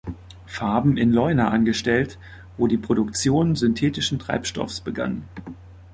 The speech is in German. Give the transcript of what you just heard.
Farben in Leuna angestellt, wo die Produktion synthetischen Treibstoffs begann.